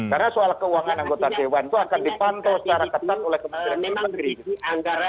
karena soal keuangan anggota dewan itu akan dipantau secara ketat oleh kementerian dalam negeri